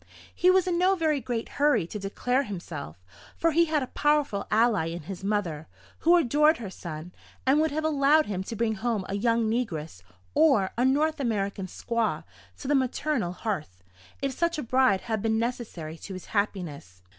He was in no very great hurry to declare himself; for he had a powerful ally in his mother, who adored her son, and would have allowed him to bring home a young negress, or a North American squaw, to the maternal hearth, if such a bride had been necessary to his happiness.